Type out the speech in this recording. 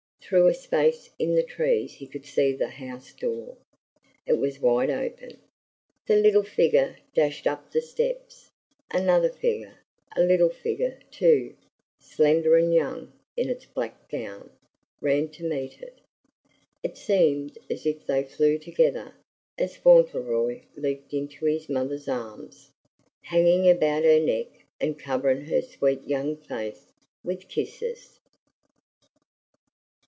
Through a space in the trees he could see the house door; it was wide open. The little figure dashed up the steps; another figure a little figure, too, slender and young, in its black gown ran to meet it. It seemed as if they flew together, as Fauntleroy leaped into his mother's arms, hanging about her neck and covering her sweet young face with kisses.